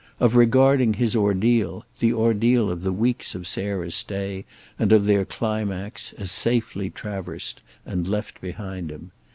of regarding his ordeal, the ordeal of the weeks of Sarah's stay and of their climax, as safely traversed and left behind him.